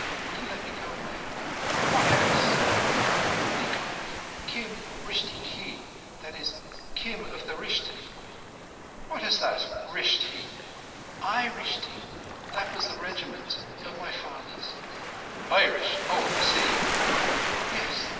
Will you let me go away?" "What else?" "They call me Kim Rishti ke. That is Kim of the Rishti." "What is that—'Rishti'?" "Eye rishti—that was the Regiment—my father's." "Irish—oh, I see." "Yess.